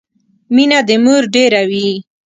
مينه د مور ډيره وي